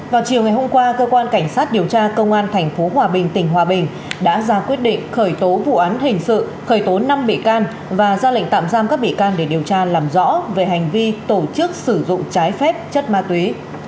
vào chiều ngày hôm qua cơ quan cảnh sát điều tra công an tp hòa bình tỉnh hòa bình đã ra quyết định khởi tố vụ án hình sự khởi tố năm bị can và ra lệnh tạm giam các bị can để điều tra làm rõ về hành vi tổ chức sử dụng trái phép chất ma túy